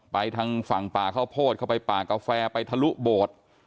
ทางฝั่งป่าข้าวโพดเข้าไปป่ากาแฟไปทะลุโบด